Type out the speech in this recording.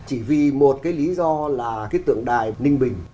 chỉ vì một cái lý do là cái tượng đài ninh bình